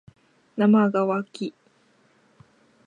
なまがわき